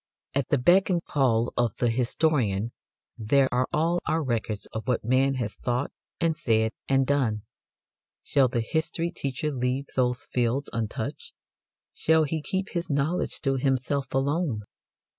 At the beck and call of the historian there are all our records of what man has thought and said and done. Shall the history teacher leave those fields untouched? Shall he keep his knowledge to himself alone?